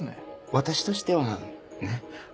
私としてはね。